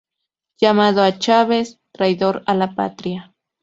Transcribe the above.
Llamando a Chávez "traidor a la Patria".